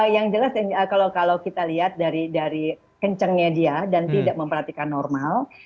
yang jelas kalau kita lihat dari kencangnya dia dan tidak memperhatikan normal